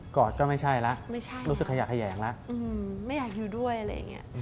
อดก็ไม่ใช่แล้วรู้สึกขยะแขยงแล้วไม่อยากอยู่ด้วยอะไรอย่างนี้